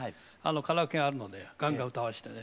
カラオケがあるのでガンガン歌わしてね。